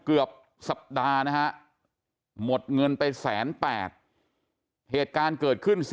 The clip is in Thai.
เกือบสัปดาห์นะฮะหมดเงินไป๑๘๐๐เหตุการณ์เกิดขึ้น